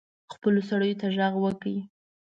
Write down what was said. خپلو سړیو ته ږغ وکړي.